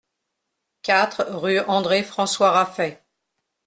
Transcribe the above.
quatre rue André-François Raffray